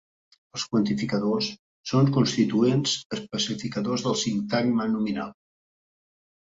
Els quantificadors són constituents especificadors del sintagma nominal.